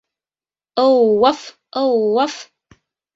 Ыу-уаф, ыу-уаф!